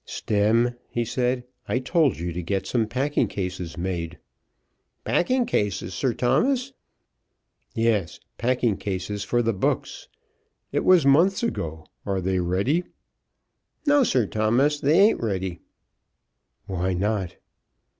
"Stemm," he said, "I told you to get some packing cases made." "Packing cases, Sir Thomas?" "Yes; packing cases for the books. It was months ago. Are they ready?" "No, Sir Thomas. They ain't ready." "Why not?"